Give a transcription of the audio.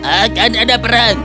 akan ada perang